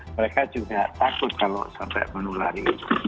mereka juga takut kalau sampai menulari